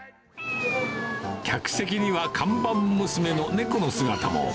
客席には看板娘の猫の姿も。